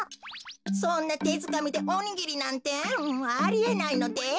そんなてづかみでおにぎりなんてありえないのです。